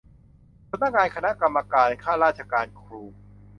สำนักงานคณะกรรมการข้าราชการครู